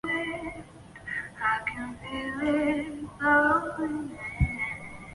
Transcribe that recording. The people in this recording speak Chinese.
存在了至少三千多年的爱琴文明在多大程度上可以被认为是持续的？